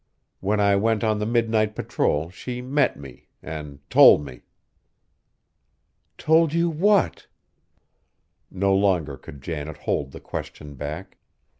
When I went on the midnight patrol she met me an' told me!" "Told you what?" No longer could Janet hold the question back.